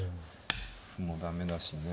歩も駄目だしね。